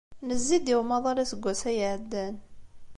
Nezzi-d i umaḍal aseggas-a iɛeddan.